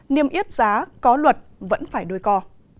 niêm yết giá có luật vẫn phải đôi co